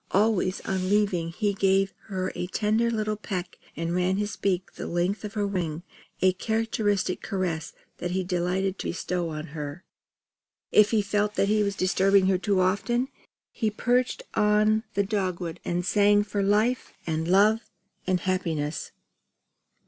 Always on leaving he gave her a tender little peck and ran his beak the length of her wing a characteristic caress that he delighted to bestow on her. If he felt that he was disturbing her too often, he perched on the dogwood and sang for life, and love, and happiness.